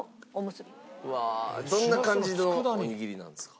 どんな感じのおにぎりなんですか？